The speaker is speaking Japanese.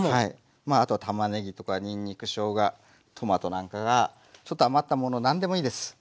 まああとはたまねぎとかにんにくしょうがトマトなんかがちょっと余ったものなんでもいいです。